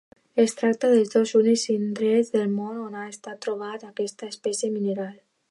Es tracta dels dos únics indrets del món on ha estat trobada aquesta espècie mineral.